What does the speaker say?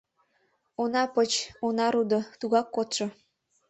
Она поч, она рудо, тугак кодшо.